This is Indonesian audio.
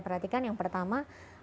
perhatikan yang pertama